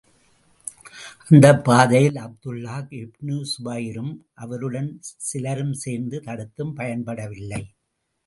அந்தப் பாதையில் அப்துல்லாஹ் இப்னு ஸுபைரும், அவருடன் சிலரும் சேர்ந்து தடுத்தும் பயன்படவில்லை.